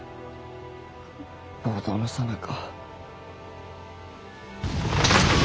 暴動のさなか。